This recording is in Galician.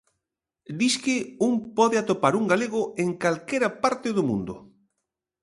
Disque un pode atopar un galego en calquera parte do mundo.